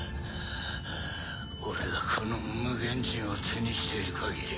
俺がこの無限刃を手にしている限り。